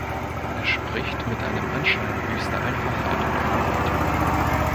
Er spricht mit einem Anschein höchster Einfachheit und Offenheit.